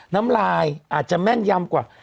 น้ำลายอาจจะแม่นยำกว่า